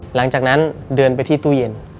หลังจากนั้นเดินไปที่ตู้เย็น